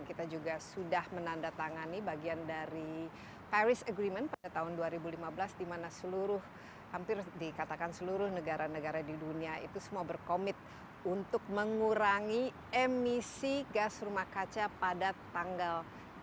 dan kita juga sudah menandatangani bagian dari paris agreement pada tahun dua ribu lima belas di mana seluruh hampir dikatakan seluruh negara negara di dunia itu semua berkomit untuk mengurangi emisi gas rumah kaca pada tanggal